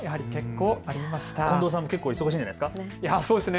近藤さんも結構、忙しいんじゃないですか。